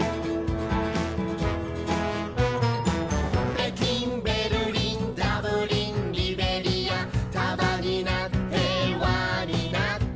「ペキンベルリンダブリンリベリア」「束になって輪になって」